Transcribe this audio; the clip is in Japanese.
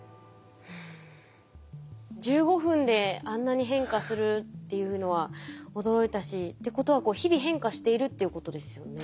１５分であんなに変化するっていうのは驚いたしってことは日々変化しているっていうことですよね。